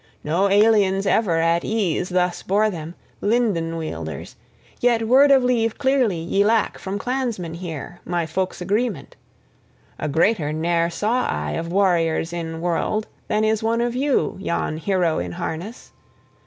No aliens ever at ease thus bore them, linden wielders: {3d} yet word of leave clearly ye lack from clansmen here, my folk's agreement. A greater ne'er saw I of warriors in world than is one of you, yon hero in harness!